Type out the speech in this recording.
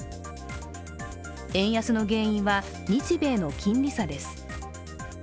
円安の原因は、日米の金利差です。